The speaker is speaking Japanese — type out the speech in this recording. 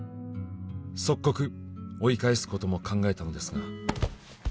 「即刻追い返すことも考えたのですが」